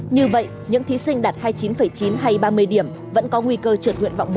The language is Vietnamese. như vậy những thí sinh đạt hai mươi chín chín hay ba mươi điểm vẫn có nguy cơ trượt nguyện vọng một